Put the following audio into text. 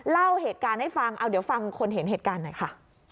เล่าเหตุการณ์ให้ฟังเอาเดี๋ยวฟังคนเห็นเหตุการณ์หน่อยค่ะ